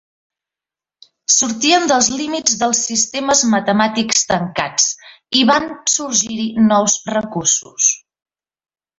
Sortien dels límits dels sistemes matemàtics tancats, i van sorgir-hi nous recursos.